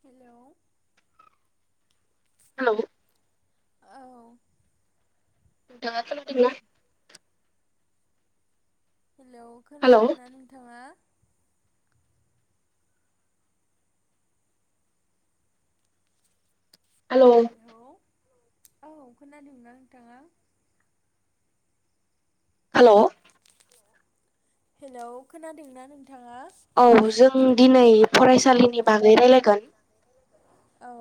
हेल‌'। Hello. औ। नोंथाङा खोनादों ना? हेलौ, हेलौ खोनादोंना नोंथाङा? हेल'। हेलौ औ खोनादोंना नोंथाङा? हेल'। हेलौ खोनादोंंना नों औ जों दिनै औ फरायसालिनि बागै रायलायगोन। औ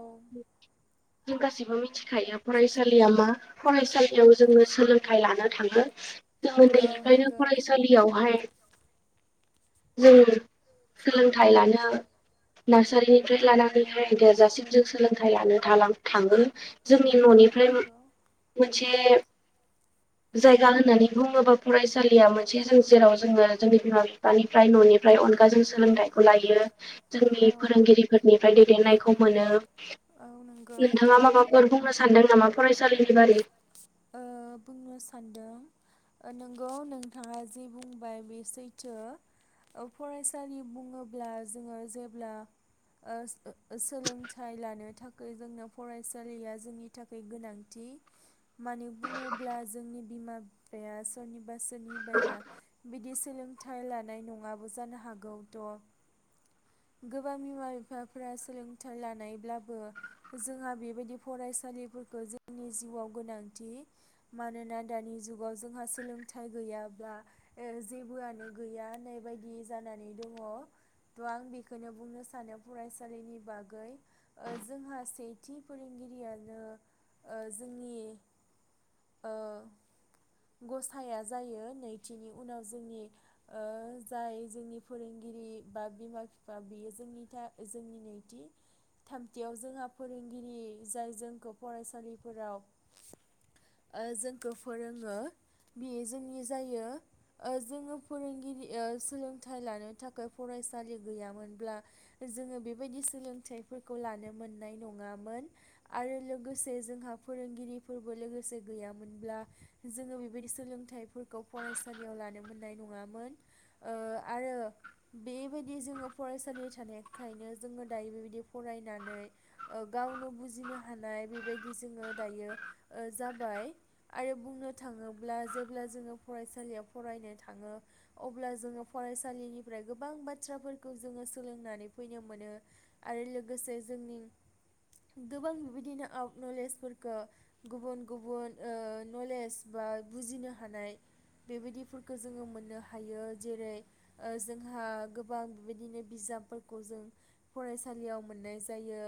जों गासिबो मिथिखायो फरायसालिया मा फरायसालियाव जोङो सोलोंथाइ लानो थां जों औ ओनन्दैनिफ्रायनो नंगौ फरायसालियावहाय [unintelligible] सोलोंथाइ लानो नार्सारिनिफ्राय लानानैनिफ्राय देरजासिम जों सोलोंथाइ लानो थांङो जोंनि औ ननिफ्राय नंगौ मोनसे बे जायगा होननानै बुङोबा फरायसालिया मोनसे जों जेराव जोङो जोंनि बिमा बिफानिफ्राय ननि [unintelligible] जों सोलोंथाइखौ लायो जोंनि औ फोरोंगिरिफोरनि आमफ्राय दैदेननायखौ मोनो औ नंगौ नोंथांङा माबाफोर बुंनो सानदों नामा फरायसालिनि बारै ओ बुंनो सानदों नंगौ नोंथाङा जि बुंबाय बे सैथो फरायसालि बुङोब्ला जोङो जेब्ला सोलोंथाइ ओ लानो थाखाय जोंनो फरायसालिया जोंनि थाखाय गोनांथि मानो बुङोब्ला जोंनि बिमा बिफाया सोरनिबा बा सोरनिबाया बिदि सोलोंथाइ लानाय नङाबो जानो हागौथ गोबां बिमा बिफाफोरा सोलोंथाइ लानायब्लाबो जोंहा बेबायदि फरायसालिफोरखौ जोंनि जिउआव गोनांथि मानोना दानि जुगाव जोंहा सोलोंथाइ गैयाब्ला ओ जेबोआनो गैया होननाय बायदि जानानै दङ थ आं बेखौनो बुंनो सानो फरायसालिनि बागै ओ जोंहा सेथि फोरोंगिरियानो ओ जोंनि ओ गसाया जायो नैथिनि उनाव जोंनि जाय जोंनि ओ फोरोंगिरि बा बिमा बिफा बियो जोंनि जोंनि नैथि थामथियाव जोंहा फोरोंगिरि जाय जोंखौ फरायसालिफोराव ओ जोंखौ फोरोङो बि जोंनि जायो ओ जोङो फोरोंगिरि सोलोंथाइ लानो थाखाय फरायसालि गैयामोनब्ला जोङो बेबायदि सोलोंथाइफोरखौ लानो मोननाय नङामोन आरो लोगोसे जोंहा फोरोंगिरि फोरबो लोगोसे गैयामोनब्ला जोङो बेबायदि सोलोंथाइफोरखौ फरायसालियाव लानो मोननाय नङामोन ओ आरो बेबायदि जोङो फरायसालियाव थानायखायनो जोङो दायो बेबायदि फरायनानै ओ गावनो बुजिनो हानाय बेबायदि जोङो दायो ओ जाबाय आरो बुंनो थाङोब्ला जेब्ला जोङो फरायसालियाव फरायनो थाङो अब्ला जोङो फरायसालिनिफ्राय गोबां बाथ्राफोरखौ जोङो सोलोंनानै फैनो मोनो आरो लोगोसे जोंनि गोबां बिदिनो आवत नलेजफोरखौ गुबुन गुबुन ओ नलेज बा बुजिनो हानाय बेबायदिफोरखौ जोंङो मोननो हायो जेरै ओ जोंहा गोबां बेबायदिनो बिजाबफोरखौ जों फरायसालियाव मोन्नाय जायो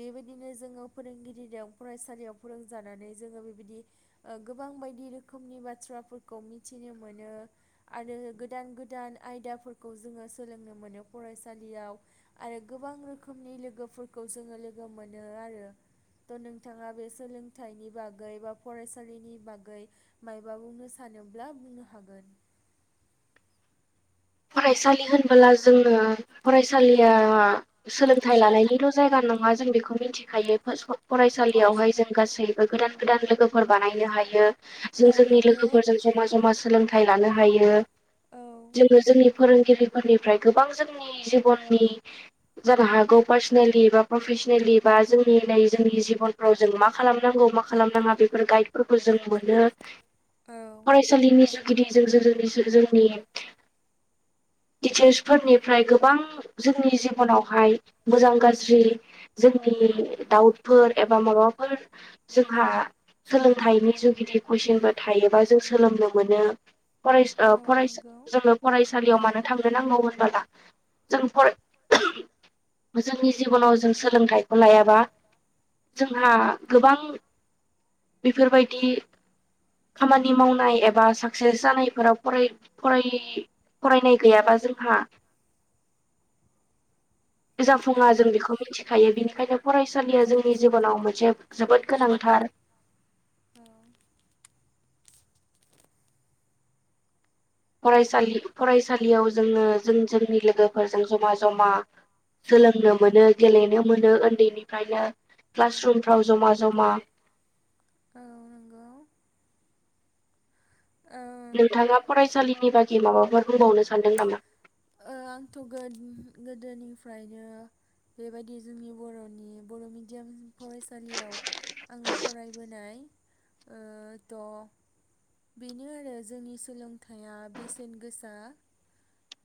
बेबादिनो जोंडों फोरोंगिरिजों फरायसालियाव फोरों जानानै जोंङो बेबायदि गोबां ओ बायदि रोखोमनि बाथ्राफोरखौ मिथिनो मोनो आरो गोदान गोदान आयदाफोरखौ जोंङो सोलोंनो मोनो फरायसालियाव आरो गोबां रोखोमनि लोगोफोरखौ जोंङो लोगो मोनो आरो थ' नोंथांङा बे सोलों थाइनि बागै बा फरायसालिनि बागै मायबा बुंनो सानोब्ला बुंनो हागोन फरायसालि होनबोला जोंङो फरायसालिया सोलोंथाइ लानायनिल' जायगा नंङा जों बेखौ मिथिखायो फासआव फरायसालियावहाय जों गासै गोदान गोदान लोगोफोर बानायनो हायो जों औ जोंनि नंगौ लोगोफोरजों जमा जमा सोलोंथाइ लानो हायो औ जोंनि फोरोंगिरिफोरनिफ्राय गोबां जोंनि जिबननि जानो हागौ पार्सनेलि बा प्रफेसनेलि बा जोंनि जोंनि जिबनफ्राव जों मा खालामनांगौ मा खालामनांङा बेफोर गाइडफोरखौ जों मोनो औ फरायसालिनि गिदि जो-जो-जो जोंनि जो-जो जोंनि टिचार्सफोरनिफ्राय गोबां जोंनि जिबनावहाय मोजां गाज्रि जोंनि डाउटफोर एबा माबाफोर जोंहा सोलोंथाइनि जुगिदि कुइसनफोर थायोबा जों सोलोंनो मोनो फरायस औ ओ फरायसा नंगौ जोंङो फरायसालियाव मानो थांनो नांगौ होनबोला जों फराय जोंनि जिबनाव जों सोलोंथाइखौ लायाबा जोंहा गोबां बेफोरबायदि खामानि मावनाय एबा साक्सेस जानायफोराव फराय-फराय फरायनाय गैयाबा जोंहा औ जाफुंङा जों बेखौ मिथिखायो बेनिखायनो फरायस सालिया जोंनि जिबनाव मोनसे जोबोद गोनांथार गोनां फरायसालि फरायसालियाव जोंङो जों जोंनि लोगोफोरजों जमा जमा। सोलोंनो मोनो गेलेनो मोनो उन्दैनिफ्रायनो क्लास रुमफ्राव जमा जमा। औ औ नंगौ ओ नोंथांङा फरायसालिनि बागि माबाफोर बुंबावनो सानदों नामा। ओ आंथ' गोद-गोदोनिफ्रायनो बेबायदि जोंनि बर'नि बर' मिडियाम फरायसालियाव आंङो फरायबोनाय ओ थ' बेनो आरो जोंनि सोलोंथाइआ बेसेन गोसा।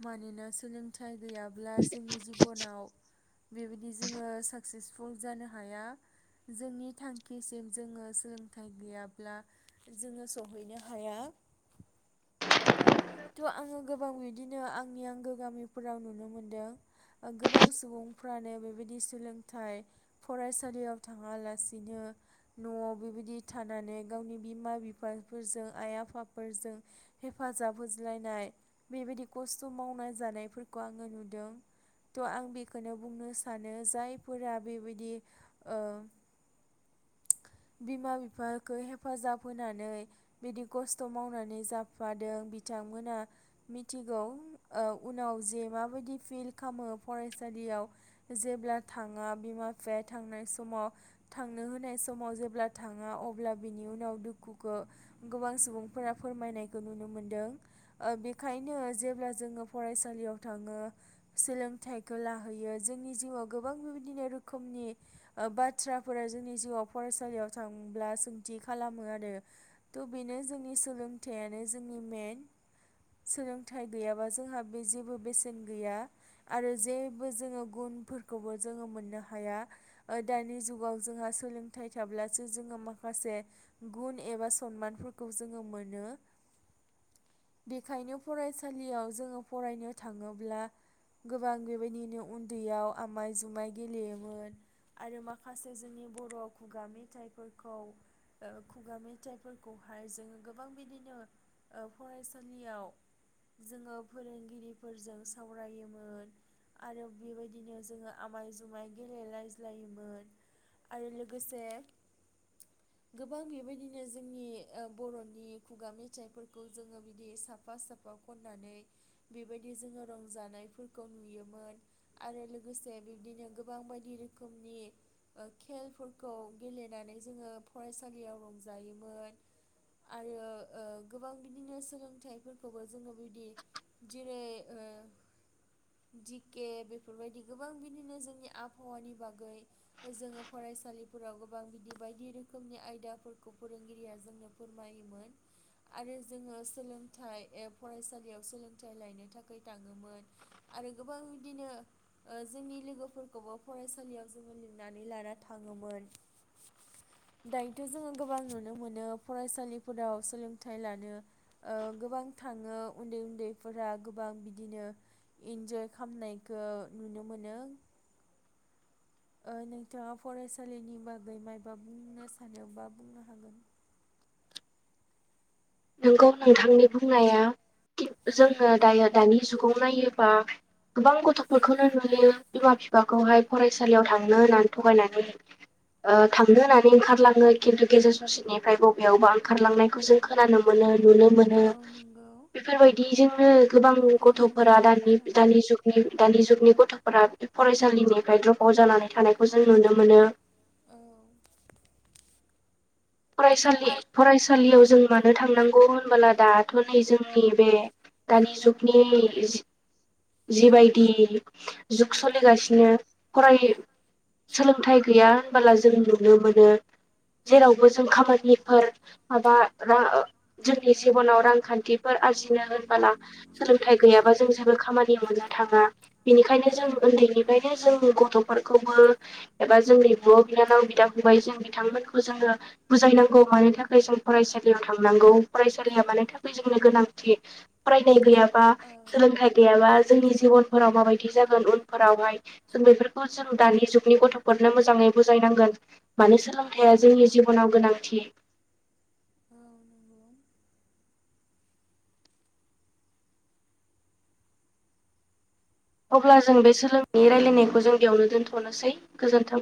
मानोना सोलोंथाइ गैयाब्ला जोंनि जिबनाव बेबायदि जोंङो साक्सेसफुल जानो हाया जोंनि थांखिसिम जोंङो सोलोंथाइ गैयाब्ला जोंङो सहैनो हाया। थ' आंङो गोबां बिदिनो आंनि आंगो गामिफोराव नुनो मोनदों ओ गोबां सुबुंफ्रानो बेबायदि सोलोंथाइ फरायसालियाव थांङालासिनो न'आव बेबायदि थानानै गावनि बिमा बिफाफोरजों आइ आफाफोरजों हेफाजाब हो ज्लायनाय बेबायदि खस्थ' मावनाय जानायफोरखौ आंङो नुदों थ' आं बेखौनो बुंनो सानो जायफोरा बेबायदि ओ। बिमा बिफाखौ हेफाजाब होनानै बिदि खस्थ' मावनानै जाफादों बिथांमोना मिथिगौ ओ उनाव जे माबायदि फिल खालामो फरायसालियाव जेब्ला थांङा बिमा बिफाया थांनाय समाव थांनो होनाय स समाव जेब्ला थांङा अब्ला बिनि उनाव दुखुखौ गोबां सुबुंफोरा फोरमायनायखौ नुनो मोनदों बेखायनो जेब्ला जोंङो फरायसालियाव थांङो सोलोंथाइखौ लाहैयो जोंनि जिउआव गोबां बेबायदिनो रोखोमनि बाथ्राफोरा जोंनि जिउआव। फरायसालियाव थांब्ला सोंथि खालामो आरो थ' बेनो जोंनि सोलोंथाइयानो जोंनि मेन सोलोंथाइ गैयाबा जोंहा बे जेबो बेसेन गैया आरो जेबो जोंङो गुनफोरखौबो जोंङो मोननो हाया ओ दानि जुगाव जोंहा सोलों थाय थाब्लासो जोंङो माखासे गुन एबा सनमानफोरखौ जोंङो मोनो बेखायनो फरायसालियाव जोंङो फरायनो थांङोब्ला गोबां बेबायदिनो उन्दैयाव आमाय जुमाय गेलेयोमोन आरो माखासे जोंनि बर' खुगा मेथाइफोरखौ ओ खुगा मेथाइफोरखौहाय जोंङो गोबां बिदिनो ओ फरायसालियाव जोंङो फोरोंगिरिफोरजों सावरायोमोन आरो बेबायदिनो जोंङो आमाय जुमाय गेलेलायज्लायोमोन आरो लो गोसे गोबां बेबायदिनो जोंनि ओ बर'नि खुगा मेथाइफोरखौ जोंङो बिदि साफा साफा खननानै बेबायदि जोंङो रंजानायफोरखौ नुयोमोन आरो लोगोसे बिब्दिनो गोबां बायदि रोखोमनि ओ खेलफोर खौ गेलेनानै जोंङो फरायसालियाव रंजायोमोन आरो ओ गोबां बिदिनो सोलोंथाइफोरखौबो जोंङो बिदि जेरै डिके बेफोरबायदि गोबां बिदिनो जोंनि आबहावानि बागै जोंङो फरायसालि फोराव गोबां बिदि बायदि रोखोमनि आयदाफोरखौ फोरोंगिरिया जोंनो फोरमायोमोन आरो जोंङो सोलोंथाइ ए फरायसालियाव सोलोंथाइ लायनो थाखाय थांङोमोन आरो गोबां बिदिनो ओ जोंनि लोगोफोरखौबो फरायसालियाव जोंङो लिंनानै लाना थाङोमोन। दायोथ' जोंङो गोबां नुनो मोनो फरायसालिफोराव सोलोंथाइ लानो ओ गोबां थांङो उन्दै उन्दैफोरा गोबां बिदिनो इन्जय खालामनायखौ नुनो मोनो। नोंथांङा फरायसालिनि बागै मायबा बुंनो सानोबा बुंनो हागोन। नोंगौ नोंथांनि बुंनाया खिन जोंङो दायो दानि जुगाव नायोबा गोबां गथ'फोरखौनो नुयो बिमा बिफाखौहाय फरायसालियाव थांनो होननानै थगायनानै ओ थांनो होननानै ओंखारलांङो खिन्थु गेजेर ससेनिफ्राय बबेयावबा ओंखारलांनायखौ जों। खोनानो मोननो। नुनो मोनो औ नंगौ बेफोरबायदिजोंनो गोबां नोंथांनि गथ'फोरा बुंनाया दानि थार। दानि जुगनि दानि जुगनि गथ गथ'फोरा बे फरायसालिनिफ्राय द्रप आउट जानानै थानायखौ जों नुनो मोनो। औ। फरायसालि फरायसालियाव जों मानो थांनांगौ होनबोला दाथ' नै जोंनि बे दानि जुगनि जिबायदि जुग सोलिगासिनो फराय सोलोंथाइ गैया होनबोला जों नुनो मोनो जेरावबो जों खामानिफोर माबा ओ जोंनि जिबनाव रांखान्थिफोर आरजिनो होनबोला सोलोंथाइ गैयाबा जों जेबो खामानि खामानि मोननो थाङा। बेनिखायनो औ जों नंगौ उन्दैनिफ्रायनो जों गथ' खौबो एबा जोंनि बिब' बिनानाव बिदा फंबाय जों बिथांमोनखौ जोङो बुजायनांगौ मानि थाखाय जों फरायसालियाव थांनांगौ फरायसालिया मानि थाखाय जोंनो गोनांथि फरायनाय गैया बा औ सोलोंथाइ गैयाबा जोंनि जिबनफोराव माबायदि जागोन उनफोरावहाय जों बेफोरखौ जों दानि जुगनि गथ'फोरनो मोजाङै बुजायनांगोन मानो सोलोंथाइया जोंनि जिबनाव गोनांथि। औ न [unintelligible] अब्ला जों बे सोलोंनायनि रायलायनायखौ जों बेयावनो दोन्थ'नोसै गोजोन्थों।